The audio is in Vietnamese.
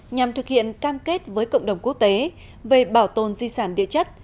nhằm thực hiện cam kết với cộng đồng quốc tế về bảo tồn di sản địa chất